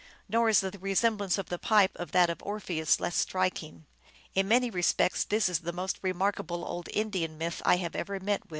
Nor is the resemblance of the pipe to that of Orpheus less striking. In many respects this is the most remarkable old Indian myth I have ever met with.